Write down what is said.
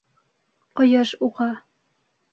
Ҡояш уға: